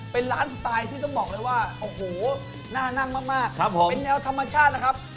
เป็นร้านสไตล์ที่ต้องบอกเลยว่าโอ้โหน่านั่งมากเป็นแนวธรรมชาตินะครับ